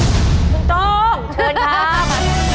คุณต้งชวนครับ